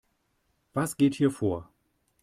Was geht hier vor?